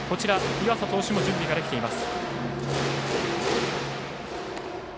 岩佐投手も準備ができています。